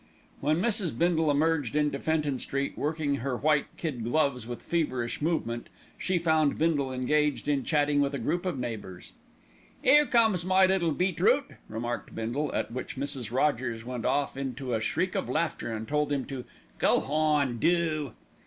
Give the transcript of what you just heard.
When Mrs. Bindle emerged into Fenton Street, working on her white kid gloves with feverish movement, she found Bindle engaged in chatting with a group of neighbours. "'Ere comes my little beetroot," remarked Bindle; at which Mrs. Rogers went off into a shriek of laughter and told him to "Go hon, do!"